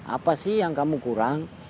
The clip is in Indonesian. apa sih yang kamu kurang